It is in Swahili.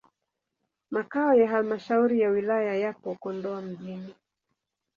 Makao ya halmashauri ya wilaya yapo Kondoa mjini.